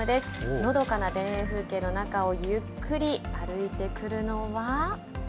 のどかな田園風景の中をゆっくり歩いてくるのは。